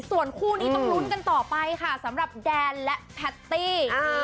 ส่วนคู่นี้ต้องลุ้นกันต่อไปค่ะสำหรับแดนและแพตตี้